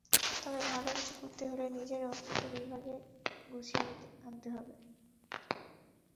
তবে ভালো কিছু করতে হলে নিজের অফিসের বিভাগকে গুছিয়ে আনতে হবে।